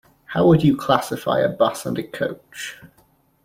How would you classify a bus and a coach?